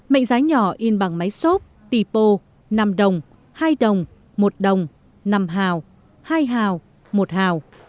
mệnh giá nhỏ in bằng máy xốp tỳ pô năm đồng hai đồng một đồng năm hào hai hào một hào